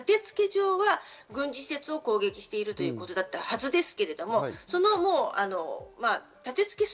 上は軍事施設を攻撃しているということだったはずです。